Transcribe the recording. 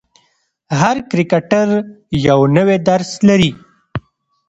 هر کرکټر یو نوی درس لري.